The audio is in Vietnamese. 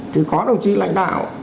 thì có đồng chí lãnh đạo